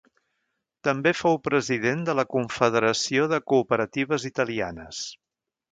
També fou president de la Confederació de Cooperatives Italianes.